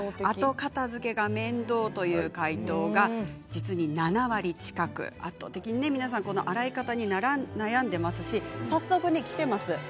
後片づけが面倒という回答が実に７割近く皆さん、洗い方に悩んでいますし早速きています